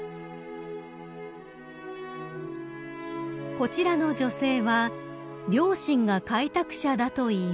［こちらの女性は両親が開拓者だといいます］